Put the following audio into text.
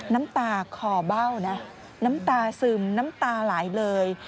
น้ำตาคอเบ้านะน้ำตาซึมน้ำตาไหลเลย